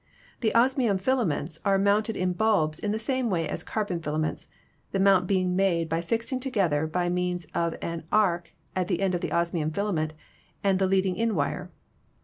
The osmium filaments are mounted in bulbs in the same way as carbon filaments, the mount being made by fixing together by means of an arc the end of the osmium filament and the leading in wire.